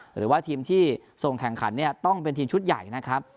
หรือว่าทีมที่ส่งแข่งขันเนี่ยต้องเป็นทีมชุดใหญ่นะครับ